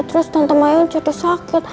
terus tante mayang jatuh sakit